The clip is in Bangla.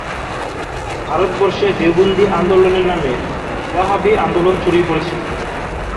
ভারতবর্ষে দেওবন্দী আন্দোলনের নামে ওয়াহাবি আন্দোলন ছড়িয়ে পড়েছিল।